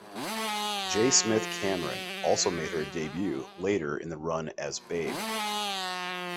J. Smith-Cameron also made her debut later in the run as Babe.